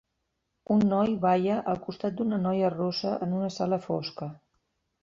Un noi balla al costat d'una noia rossa en una sala fosca.